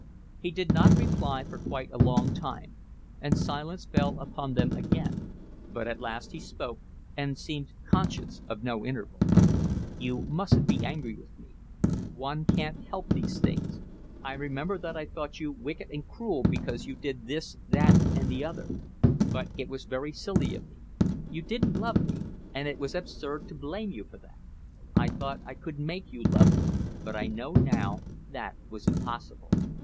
He did not reply for quite a long time, and silence fell upon them again; but at last he spoke and seemed conscious of no interval. "You mustn't be angry with me. One can't help these things. I remember that I thought you wicked and cruel because you did this, that, and the other; but it was very silly of me. You didn't love me, and it was absurd to blame you for that. I thought I could make you love me, but I know now that was impossible.